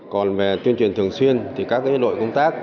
còn về tuyên truyền thường xuyên thì các đội công tác